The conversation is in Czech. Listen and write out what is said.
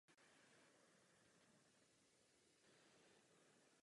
Pod lípou se prý scházeli čeští bratři.